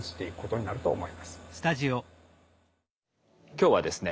今日はですね